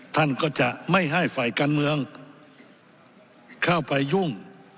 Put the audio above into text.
ท่านก็จะไม่ให้ฝ่ายการเมืองเข้าไปยุ่ง